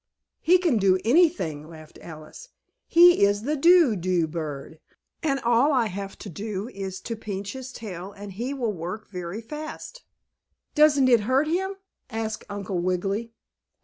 "He can do anything!" laughed Alice. "He is the Do do bird, and all I have to do is to pinch his tail and he will work very fast." "Doesn't it hurt him?" asked Uncle Wiggily.